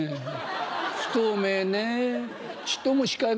不透明ね。